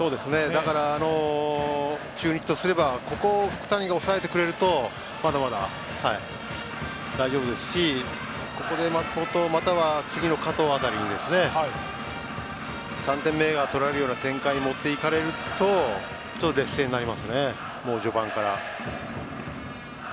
だから、中日とすればここを福谷が抑えてくれるとまだまだ大丈夫ですしここで松本または次の加藤辺りに３点目が取られるような展開に持っていかれると劣勢になりますね、序盤から。